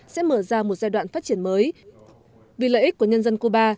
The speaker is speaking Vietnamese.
sẽ mở ra một giai đoạn phát triển mới vì lợi ích của nhân dân cuba